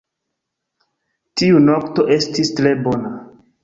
Tiu nokto estis tre bona